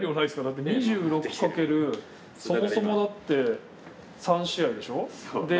だって２６掛けるそもそもだって３試合でしょ？